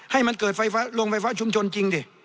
ให้มันเกิดไฟฟ้าลงไฟฟ้าชุมชนจริงดิ